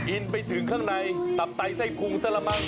อินไปถึงข้างในตับใต้ไส้พรุงสระมัง